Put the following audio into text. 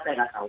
saya tidak tahu